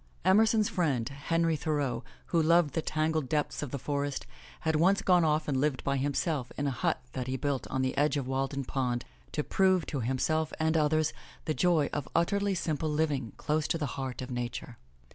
Emerson's friend, Henry Thoreau, who loved the tangled depths of the forests, had once gone off and lived by himself in a hut that he built on the edge of Walden Pond, to prove. to himself 16 THE LATCH KEY and others the joy of utterly simple living, close to the heart of Nature.